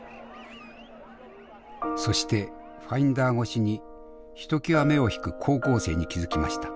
そしてファインダー越しにひときわ目を引く高校生に気付きました。